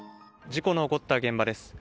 事故の起こった現場です。